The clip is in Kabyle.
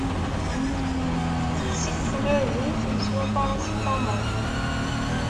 Teqqes-it tɣirdemt, yeswa paracetamol!